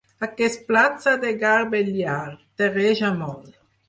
Aquest blat s'ha de garbellar: terreja molt.